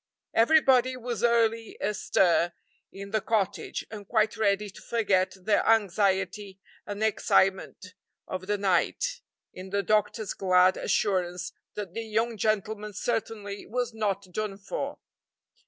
Everybody was early astir in the cottage, and quite ready to forget the anxiety and excitement of the night in the doctor's glad assurance that the young gentleman certainly was not "done for."